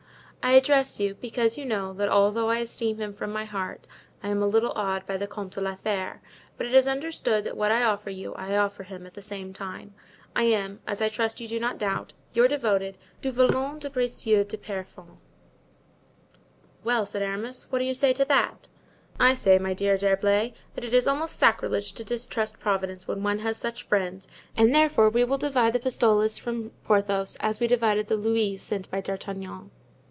"I address you, because you know, that although I esteem him from my heart I am a little awed by the Comte de la Fere; but it is understood that what I offer you I offer him at the same time. "I am, as I trust you do not doubt, your devoted "Du Vallon de Bracieux de Pierrefonds." "Well," said Aramis, "what do you say to that?" "I say, my dear D'Herblay, that it is almost sacrilege to distrust Providence when one has such friends, and therefore we will divide the pistoles from Porthos, as we divided the louis sent by D'Artagnan."